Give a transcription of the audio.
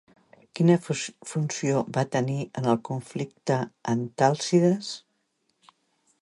Quina funció va tenir en el conflicte Antàlcides?